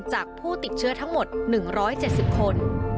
ผู้ติดเชื้อทั้งหมด๑๗๐คน